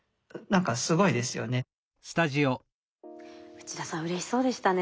内田さんうれしそうでしたね。